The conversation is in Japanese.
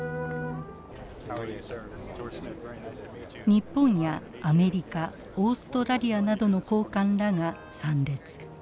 日本やアメリカオーストラリアなどの高官らが参列。